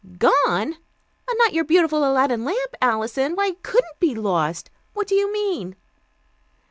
"Gone! Not your beautiful Aladdin lamp, Alison? Why, it couldn't be lost. What do you mean?"